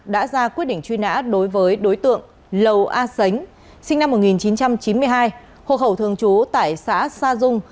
đã ra quyết định truy nã đối với đối tượng lầu a sánh sinh năm một nghìn chín trăm chín mươi hai hộ khẩu thường trú tại xã sa dung